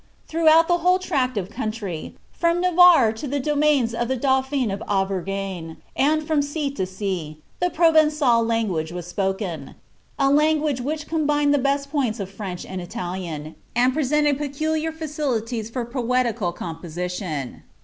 Throughout the whole tract of oountry, from Navarre to the dominions of the dauphin of Auvergne, and from sea to sea, the Proven9al language was fipoken — a language which combined the best points of French and Italian, and pre sented peculiar facilities for poetical composition.